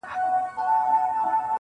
تا څه کوئ اختر د بې اخترو په وطن کي.